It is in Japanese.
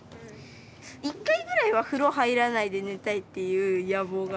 １回ぐらいは風呂入らないで寝たいっていう野望が。